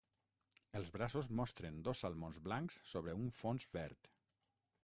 Els braços mostren dos salmons blancs sobre un fons verd.